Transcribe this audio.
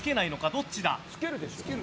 どっちだ？